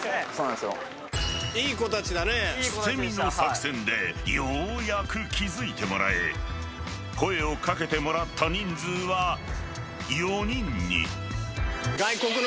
［捨て身の作戦でようやく気付いてもらえ声を掛けてもらった人数は４人に］